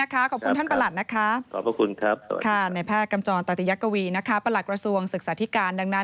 ขออนุญาสนิทธิ์สอบถามอีก